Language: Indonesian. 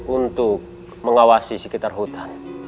untuk mengawasi sekitar hutan